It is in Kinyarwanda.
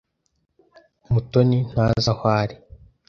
Mutoni ntazi aho ari.